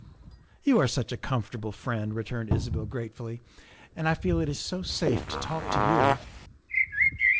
" You are such a comfortable friend," returned Isabel gratefully, " and I feel it is so safe to talk to you.